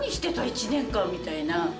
１年間みたいな。